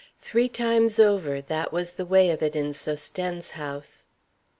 Three times over that was the way of it in Sosthène's house.